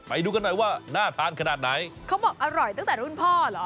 ไปดูกันหน่อยว่าน่าทานขนาดไหนเขาบอกอร่อยตั้งแต่รุ่นพ่อเหรอ